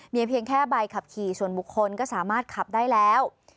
มีเพียงแค่ใบขับขี่ส่วนบุคคลก็สามารถขับได้แล้ว